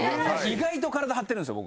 意外と体張ってるんですよ